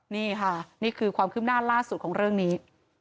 นี่ค่ะนี่คือความคืบหน้าล่าสุดของเรื่องนี้